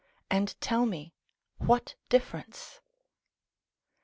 and tell me what difference?